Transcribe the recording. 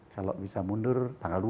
kalau bisa mundur tanggal dua